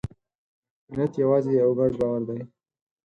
ملت یوازې یو ګډ باور دی.